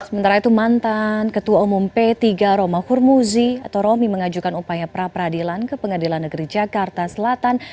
sementara itu mantan ketua umum p tiga roma hurmuzi atau romi mengajukan upaya pra peradilan ke pengadilan negeri jakarta selatan